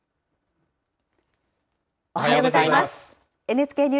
おはようございます。